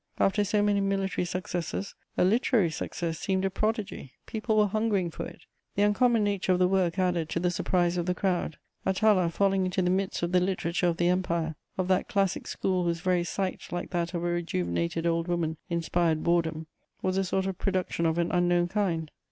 After so many military successes, a literary success seemed a prodigy: people were hungering for it. The uncommon nature of the work added to the surprise of the crowd. Atala, falling into the midst of the literature of the Empire, of that classic school whose very sight, like that of a rejuvenated old woman, inspired boredom, was a sort of production of an unknown kind.